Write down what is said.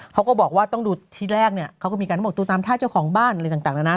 เขาก็บอกว่าต้องดูที่แรกเนี่ยเขาก็มีการบอกดูตามท่าเจ้าของบ้านอะไรต่างแล้วนะ